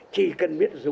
chỉ cần biết là